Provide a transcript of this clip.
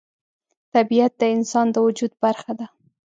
طبیعت د انسان د وجود برخه ده.